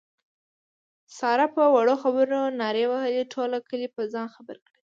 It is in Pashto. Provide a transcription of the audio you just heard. ساره په وړه خبره نارې وهي ټول کلی په ځان خبر کړي.